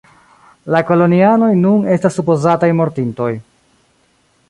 La kolonianoj nun estas supozataj mortintoj.